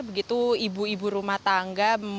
begitu ibu ibu rumah tangga